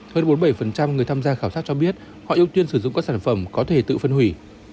hơn bốn mươi bảy người tham gia khảo sát cho biết họ ưu tiên sử dụng các sản phẩm có thể tự phân hủy